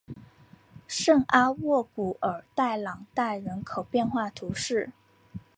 圣阿沃古尔代朗代人口变化图示